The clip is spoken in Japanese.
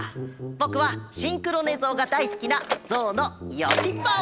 ぼくはシンクロねぞうがだいすきなゾウのよしパオ！